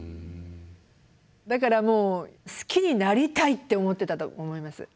だからもう好きになりたいって思ってたと思います。